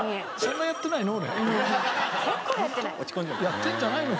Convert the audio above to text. やってんじゃないの？